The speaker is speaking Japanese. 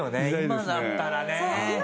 今だったらね！